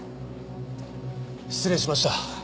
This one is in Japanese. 失礼しました。